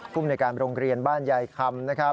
คุมในการโรงเรียนบ้านยายคำ